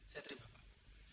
saya terima pak